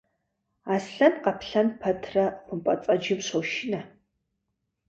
Аслъэн-къаплъэн пэтрэ хъумпӏэцӏэджым щощынэ.